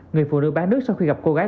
người phụ nữ bán nước sau khi gặp cô gái